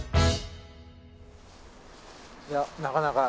いやなかなか。